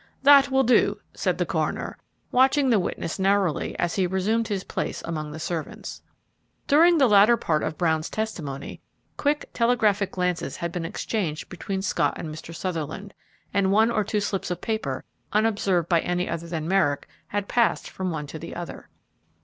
"That will do," said the coroner, watching the witness narrowly as he resumed his place among the servants. During the latter part of Brown's testimony, quick, telegraphic glances had been exchanged between Scott and Mr. Sutherland, and one or two slips of paper, unobserved by any one but Merrick, had passed from one to the other.